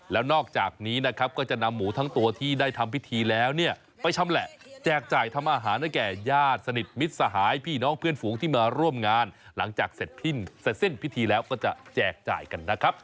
แล้วนอกจากนี้นะครับก็จะนำหมูทั้งตัวที่ได้ทำพิธีแล้วเนี่ยไปชำแหละแจกจ่ายทำอาหารให้แก่ญาติสนิทมิตรสหายพี่น้องเพื่อนฝูงที่มาร่วมงานหลังจากเสร็จสิ้นเสร็จสิ้นพิธีแล้วก็จะแจกจ่ายกันนะครับ